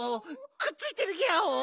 くっついてるギャオ。